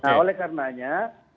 nah oleh karenanya